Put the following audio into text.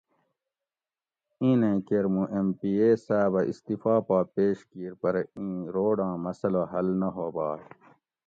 ایں نیں کیر موں ایم پی اے صاحبہ استعفےٰ پا پیش کیر پرہ ایں روڑاں مسٔلہ حل نہ ہو بائ